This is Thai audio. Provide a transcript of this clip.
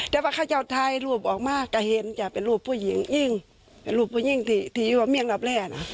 แต่พระเจ้าไทยรูปออกมาก็เห็นจะเป็นรูปผู้หญิงยิ่งเป็นรูปผู้หญิงที่ที่อยู่ว่าเมืองรับแรกนะ